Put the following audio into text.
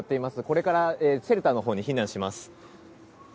これからシェルターのほうに避難します。